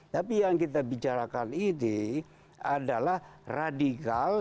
tapi yang kita bicarakan ini adalah radikal yang mengarah kepada aksi aksi jihad untuk mendirikan khilafah